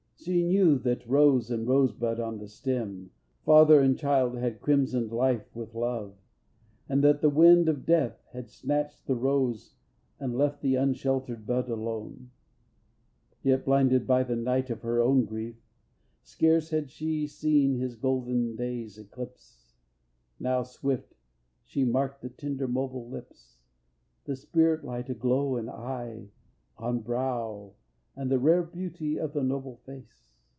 She knew that, rose and rosebud on one stem, Father and child had crimsoned life with love, And that the wind of death had snatched The rose and left the unsheltered bud alone; Yet blinded by the night of her own grief Scarce had she seen his golden day's eclipse. Now swift she marked the tender mobile lips, The spirit light aglow in eye, on brow, And the rare beauty of the noble face.